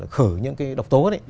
khử những cái độc tố